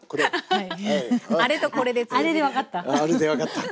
はい。